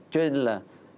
cho nên là